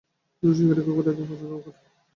দুটি শিকারী কুকুর, এদের পছন্দও করতেন।